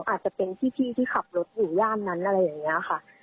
อาจจะเป็นพี่ที่ขับรถอยู่ย่านนั้นอะไรอย่างนี้ค่ะ